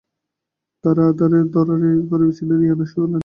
তাঁকে ধরাধরি করে বিছানায় এনে শোয়াল।